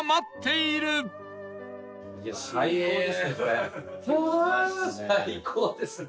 いや最高ですね